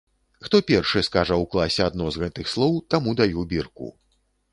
Хто першы скажа ў класе адно з гэтых слоў, таму даю бірку.